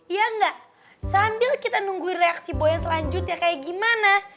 iya ga sambil kita nungguin reaksi boy yang selanjutnya kayak gimana